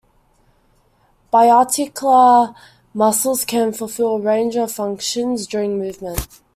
Biarticular muscles can fulfill a range of functions during movement.